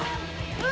うわ！